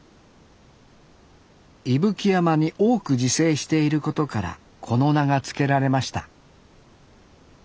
伊吹山に多く自生していることからこの名が付けられました